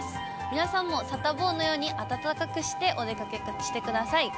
皆さんもサタボーのように、暖かくしてお出かけしてください。